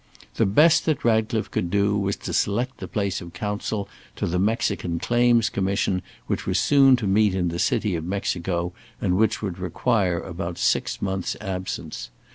The best that Ratcliffe could do was to select the place of counsel to the Mexican claims commission which was soon to meet in the city of Mexico, and which would require about six months' absence.